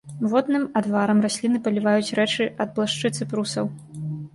Водным адварам расліны паліваюць рэчы ад блашчыц і прусаў.